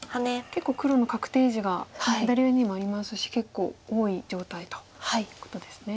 結構黒の確定地が左上にもありますし結構多い状態ということですね。